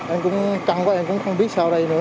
em cũng căng quá em cũng không biết sao đây nữa